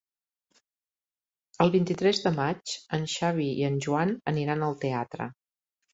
El vint-i-tres de maig en Xavi i en Joan aniran al teatre.